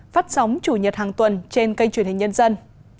phát sóng chủ nhật hàng tuần trên kênh truyền hình nhân dân